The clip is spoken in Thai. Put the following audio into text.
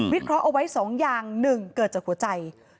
เคราะห์เอาไว้๒อย่าง๑เกิดจากหัวใจ